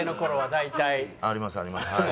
ありますありますはい。